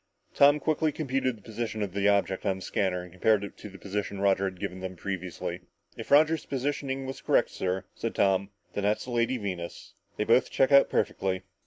Tom quickly computed the position of the object on the scanner and compared it to the position Roger had given them previously. "If Roger's positioning was correct, sir," said Tom, "then that's the Lady Venus. They both check out perfectly!"